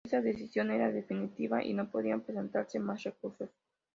Esta decisión era definitiva, y no podían presentarse más recursos.